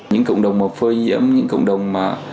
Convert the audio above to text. những cộng đồng mà phơi nhiễm những cộng đồng mà